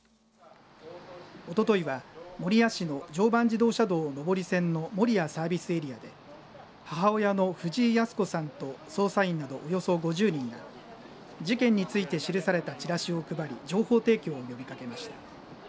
おとといは守谷市の常磐自動車道上り線の守谷サービスエリアで母親の藤井康子さんと捜査員などおよそ５０人が事件について記されたチラシを配り情報提供を呼びかけました。